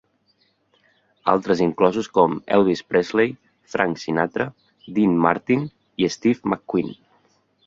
Altres inclosos com Elvis Presley, Frank Sinatra, Dean Martin i Steve McQueen.